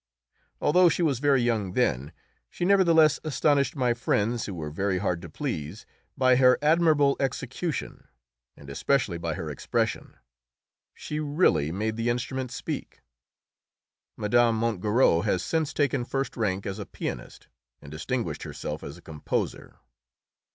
Although she was very young then, she nevertheless astonished my friends, who were very hard to please, by her admirable execution, and especially by her expression; she really made the instrument speak. Mme. Montgerou has since taken first rank as a pianist, and distinguished herself as a composer.